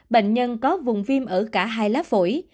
bệnh nhân có vùng viêm ở cả hai lá phổi